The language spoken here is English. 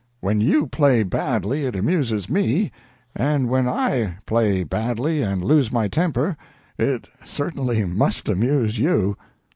When you play badly it amuses me, and when I play badly and lose my temper it certainly must amuse you."